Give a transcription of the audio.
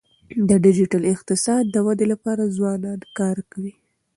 د ډیجیټل اقتصاد د ودي لپاره ځوانان کار کوي.